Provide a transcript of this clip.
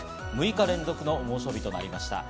６日連続の猛暑日となりました。